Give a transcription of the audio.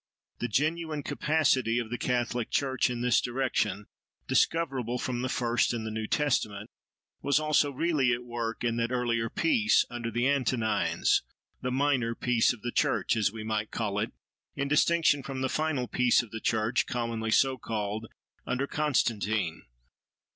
The genuine capacity of the catholic church in this direction, discoverable from the first in the New Testament, was also really at work, in that earlier "Peace," under the Antonines—the minor "Peace of the church," as we might call it, in distinction from the final "Peace of the church," commonly so called, under Constantine.